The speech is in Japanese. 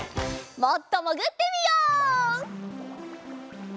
もっともぐってみよう！